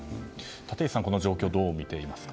立石さん、この状況をどう見ていますか？